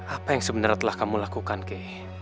apa yang sebenernya telah kamu lakukan kay